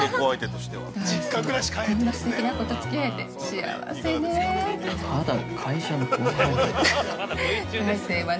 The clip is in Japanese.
大聖、こんなすてきな子とつき合えて、幸せね。